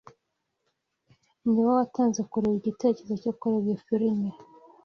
Ni wowe watanze igitekerezo cyo kureba iyo firime.